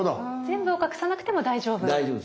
全部を隠さなくても大丈夫っていう。